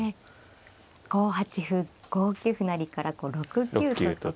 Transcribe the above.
５八歩５九歩成から６九とと。